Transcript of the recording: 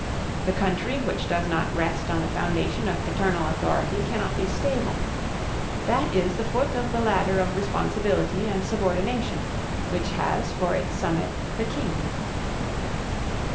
The country which does not rest on the foundation of paternal authority cannot be stable. That is the foot of the ladder of responsibility and subordination, which has for its summit the King.